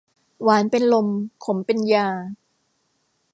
หวานเป็นลมขมเป็นยา